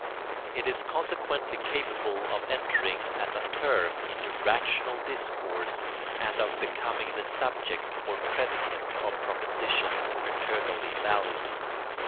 It is consequently capable of entering as a term into rational discourse and of becoming the subject or predicate of propositions eternally valid.